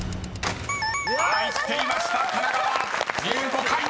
［入っていました「神奈川」１５回］